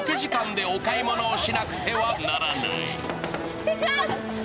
失礼します！